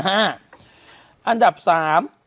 หน้าละ๑๕๐๐๐๐๐บาท